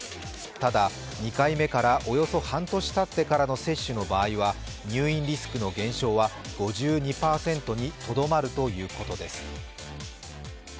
ただ、２回目からおよそ半年たってからの接種の場合は入院リスクの減少は５２％にとどまるということです。